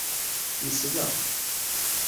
Nesla.